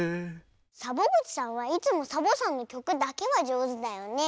サボぐちさんはいつもサボさんのきょくだけはじょうずだよね。